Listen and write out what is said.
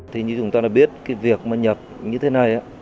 thì như chúng ta đã biết cái việc mà nhập như thế này